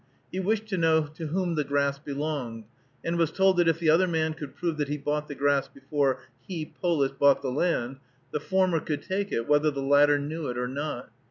He wished to know to whom the grass belonged, and was told that if the other man could prove that he bought the grass before he, Polis, bought the land, the former could take it, whether the latter knew it or not.